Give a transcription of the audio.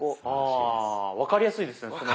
ああ分かりやすいですね。